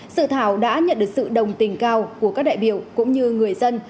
sự thảo đã nhận được sự đồng tình cao của các đại biểu cũng như người dân